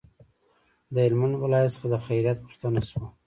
د هلمند ولایت څخه د خیریت پوښتنه شوه.